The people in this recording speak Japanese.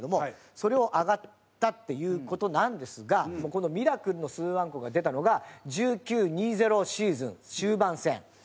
それをアガったっていう事なんですがこのミラクルの四暗刻が出たのが１９−２０シーズン終盤戦。